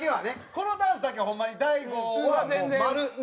このダンスだけはホンマに大悟はもう○。